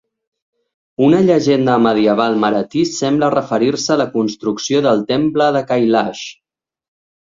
Una llegenda medieval marathi sembla referir-se a la construcció del temple de Kailash.